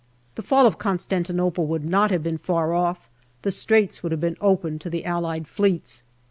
The fall of Constantinople would not have been far off, the Straits would have been opened to the Allied Fleets.